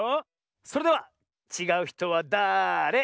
それでは「ちがうひとはだれ？」